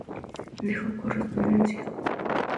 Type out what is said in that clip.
Dejó correspondencia.